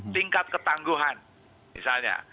tingkat ketangguhan misalnya